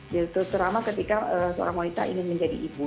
terutama ketika seorang wanita ingin menjadi ibu